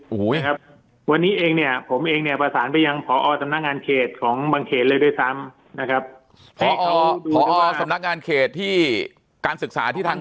โหค่ะวันนี้เองเนี่ยผมเองเนี่ยประสานไปยัง